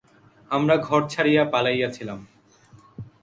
আমরা ঘর ছাড়িয়া পালাইয়াছিলাম।